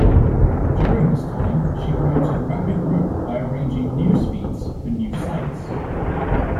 During this time she promoted rapid growth by arranging news feeds for new sites.